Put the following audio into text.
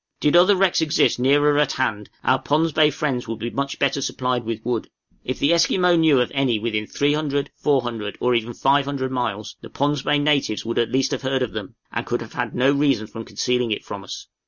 Did other wrecks exist nearer at hand, our Pond's Bay friends would be much better supplied with wood. If the Esquimaux knew of any within 300, 400, or even 500 miles, the Pond's Bay natives would at least have heard of them, and could have had no reason for concealing it from us.